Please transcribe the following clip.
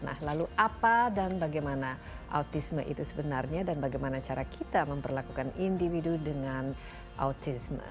nah lalu apa dan bagaimana autisme itu sebenarnya dan bagaimana cara kita memperlakukan individu dengan autisme